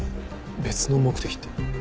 別の目的って？